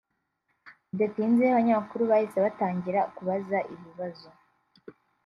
Bidatinze abanyamakuru bahise batangira kubaza ibibazo